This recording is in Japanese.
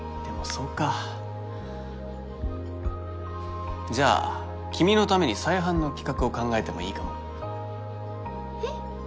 そうかじゃあ君のために再販の企画を考えてもいいかもえっ？